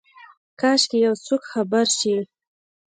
کاشکي یوڅوک خبر شي،